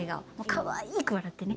かわいく笑ってね。